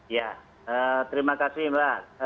ya terima kasih mbak